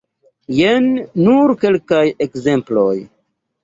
Jen nur kelkaj ekzemploj.